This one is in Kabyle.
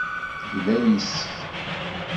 Tegla yes-k.